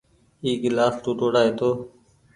اي گلآس ٽوُٽڙآ هيتو۔